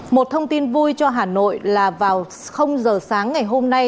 một thông tin vui cho hà nội là vào giờ sáng ngày hôm nay